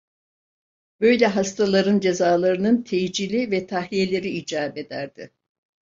Böyle hastaların cezalarının tecili ve tahliyeleri icap ederdi.